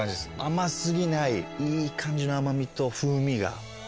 甘過ぎないいい感じの甘味と風味が。